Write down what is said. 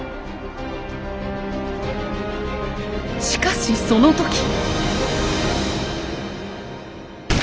しかしその時。